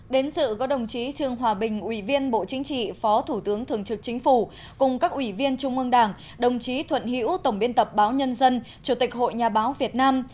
đến sự có đồng chí trương hòa bình ủy viên bộ chính trị phó thủ tướng thường trực chính phủ cùng các ủy viên trung ương đảng đồng chí thuận hiễu tổng biên tập báo nhân dân chủ tịch hội nhà báo việt nam